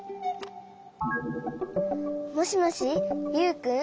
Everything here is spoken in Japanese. もしもしユウくん？